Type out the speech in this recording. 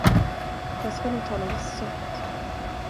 Jag ska nog ta något sött.